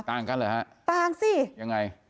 ต่างกันเหรอฮะต่างสิยังไง